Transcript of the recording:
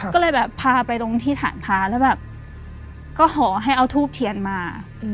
ก็เลยพาไปตรงที่ฐานพาค่ะแล้วก็หอให้เอาทูปเทียนมา